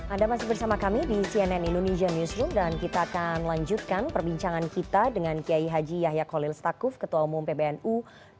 anda masih bersama kami di cnn indonesia newsroom dan kita akan lanjutkan perbincangan kita dengan qiai haji yahya khalil statue ketua umum pbnu dua ribu dua puluh satu dua ribu dua puluh enam